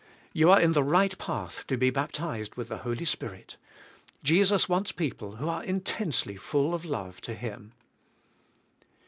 You are in the right path to be baptized with the Holy Spirit. Jesus wants people who are intensely full of love to Him.